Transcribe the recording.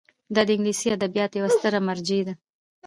دا د انګلیسي ادبیاتو یوه ستره مرجع ده.